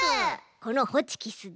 このホチキスで。